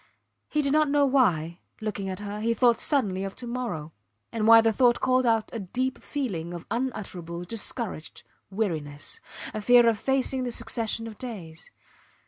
He did not know why, looking at her, he thought suddenly of to morrow, and why the thought called out a deep feeling of unutterable, discouraged weariness a fear of facing the succession of days.